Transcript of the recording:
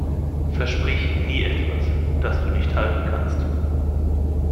Versprich nie etwas, das du nicht halten kannst.